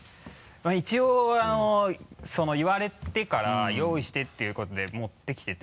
一応言われてから用意してっていうことで持ってきてて。